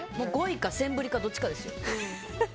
５位かセンブリかどっちかですよ。